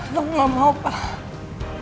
loh lu gak mau pak